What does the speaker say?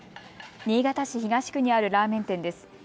新潟市東区にあるラーメン店です。